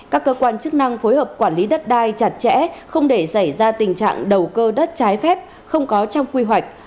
các cơ quan chức năng phối hợp quản lý đất đai chặt chẽ không để xảy ra tình trạng đầu cơ đất trái phép không có trong quy hoạch